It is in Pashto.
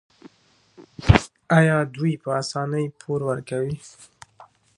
آیا دوی په اسانۍ پور ورکوي؟